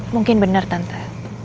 mungkin benar tante